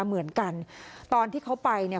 เหมือนกันตอนที่เขาไปเนี่ย